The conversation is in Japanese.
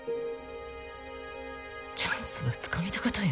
チャンスはつかみたかとよ